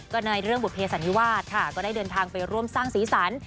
ก็ในเรื่องบุภเสันนิวาสค่ะก็ได้เดินทางไปร่วมสร้างสีสัน